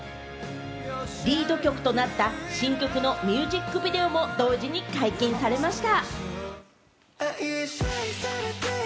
リード曲となった新曲のミュージックビデオも同時に解禁されました。